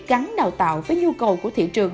gắn đào tạo với nhu cầu của thị trường